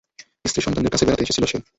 স্ত্রী-সন্তানদের কাছে বেড়াতে এসেছিলো সে।